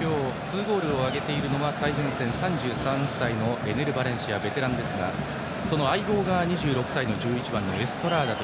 今日、２ゴールを挙げているのは最前線３３歳のエネル・バレンシアベテランですがその相棒が２６歳の１１番、エストラーダ。